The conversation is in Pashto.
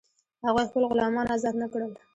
هغوی خپل غلامان آزاد نه کړل.